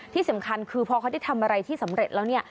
ที่สำคัญคือพอเขาได้ทำอะไรที่สำเร็จแล้วเนี่ย